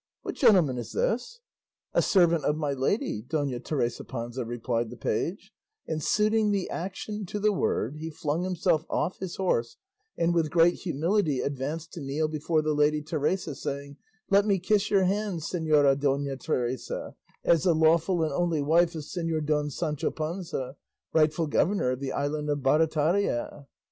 What gentleman is this?" "A servant of my lady, Dona Teresa Panza," replied the page; and suiting the action to the word he flung himself off his horse, and with great humility advanced to kneel before the lady Teresa, saying, "Let me kiss your hand, Señora Dona Teresa, as the lawful and only wife of Señor Don Sancho Panza, rightful governor of the island of Barataria."